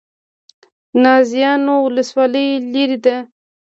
نازیانو ولسوالۍ لیرې ده؟